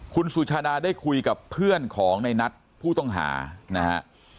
คุณสุชาดาได้คุยกับเพื่อนของในนัทผู้ต้องหานะฮะ